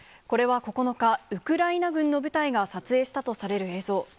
これは９日、ウクライナ軍の部隊が撮影したとされる映像。